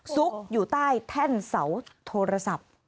ซุกอยู่ใต้แท่นเสาโทรศัพท์